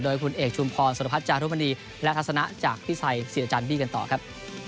โดยคุณเอกชุมพรสรุปัชจาธุมณีและทัศนะจากที่ใส่เสียจันทร์พี่กันต่อครับ